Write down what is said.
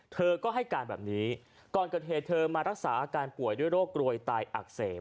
เธอก็ให้การแบบนี้ก่อนเกิดเหตุเธอมารักษาอาการป่วยด้วยโรคโรยตายอักเสบ